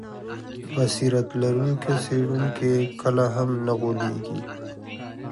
بصیرت لرونکی څېړونکی کله هم نه غولیږي.